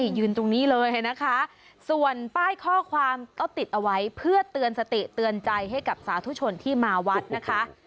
ยืนตรงนี้เลยนะคะส่วนป้ายข้อความก็ติดเอาไว้เพื่อเตือนสติเตือนใจให้กับสาธุชนที่มาวัดนะคะ